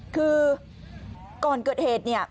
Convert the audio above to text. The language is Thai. คือก่อนเกิดเหตุ